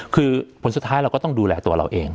คือผลสุดท้ายเราก็ต้องดูแลตัวเราเอง